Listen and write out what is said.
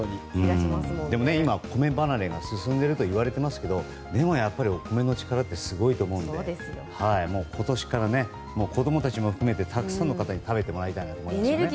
でも今は米離れが進んでいるといわれてますけどでもお米の力はすごいと思うので今年から、子供たちも含めてたくさんの方に食べてもらいたいと思いますね。